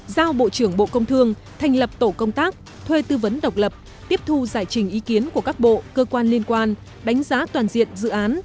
giao bộ trưởng bộ công thương thành lập tổ công tác thuê tư vấn độc lập tiếp thu giải trình ý kiến của các bộ cơ quan liên quan đánh giá toàn diện dự án